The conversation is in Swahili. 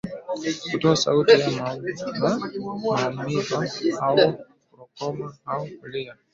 Kutoa sauti ya maumivu au kukoroma au kulia